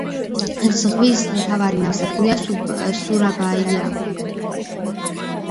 ზღვის მთავარი ნავსადგურია სურაბაია.